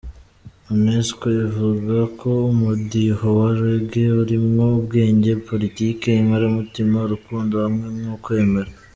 Unesco ivuga ko umudiho wa Reggae urimwo "ubwenge, politike, inkoramutima, urukundo hamwe n'ukwemera.